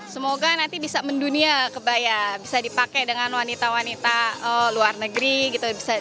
semoga nanti bisa mendunia kebaya bisa dipakai dengan wanita wanita luar negeri gitu